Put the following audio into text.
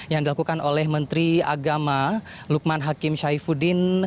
yang dilakukan oleh menteri agama lukman hakim syaifuddin